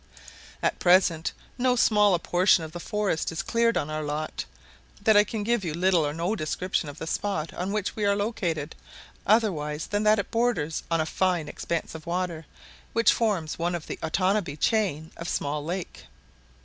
At present so small a portion of the forest is cleared on our lot, that I can give you little or no description of the spot on which we are located, otherwise than that it borders on a fine expanse of water, which forms one of the Otanabee chain of Small Lake.